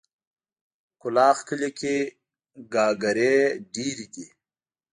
کلاخ کلي کې ګاګرې ډېرې دي.